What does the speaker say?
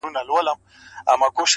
خو خبري یې اورېدلي وي-